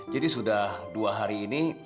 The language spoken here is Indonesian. jadi sudah dua hari ini